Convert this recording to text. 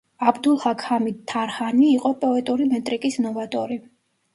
აბდულჰაქ ჰამიდ თარჰანი იყო პოეტური მეტრიკის ნოვატორი.